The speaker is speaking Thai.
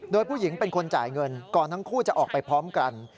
โดยผู้หญิงเป็นคนจ่ายเงินก่อนทั้งคู่จะออกไปพร้อมกัน